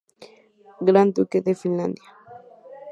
Gran Duque de Finlandia.